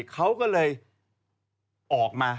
เขาก็เลยออกมา